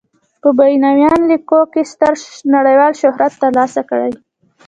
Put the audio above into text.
په بینوایان لیکلو یې ستر نړیوال شهرت تر لاسه کړی.